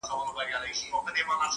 په زړه سوي به یې نېکمرغه مظلومان سي!